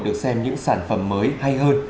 được xem những sản phẩm mới hay hơn